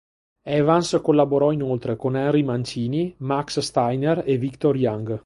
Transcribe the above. Evans collaborò inoltre con Henry Mancini, Max Steiner e Victor Young.